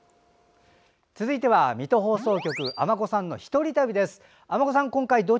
続いては水戸放送局尼子さん、１人旅です。